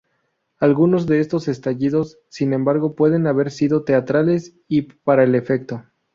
Algunos de estos estallidos, sin embargo, pueden haber sido teatrales y para el efecto.